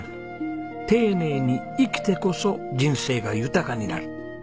丁寧に生きてこそ人生が豊かになる。